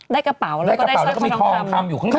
ได้กระเป๋าแล้วก็ได้สร้อยคอทองคำได้กระเป๋าแล้วก็มีคอทองคำอยู่ข้างใน